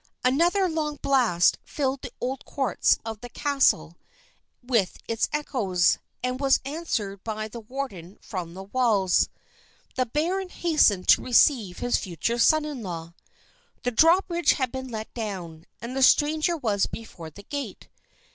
Another long blast filled the old courts of the castle with its echoes, and was answered by the warden from the walls. The baron hastened to receive his future son in law. The drawbridge had been let down, and the stranger was before the gate.